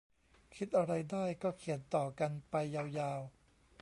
คิดอะไรได้ก็เขียนต่อกันไปยาวยาว